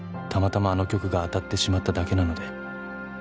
「たまたまあの曲が当たってしまっただけなので」